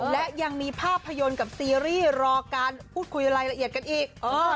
และยังมีภาพยนตร์กับซีรีส์รอการพูดคุยรายละเอียดกันอีก